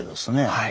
はい。